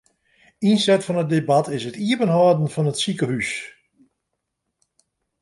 Ynset fan it debat is it iepenhâlden fan it sikehús.